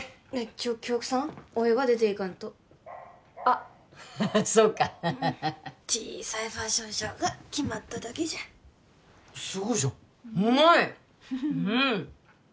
ちょっ響子さんおいは出ていかんとあっそうか小さいファッションショーが決まっただけじゃすごいじゃんすごいうんっ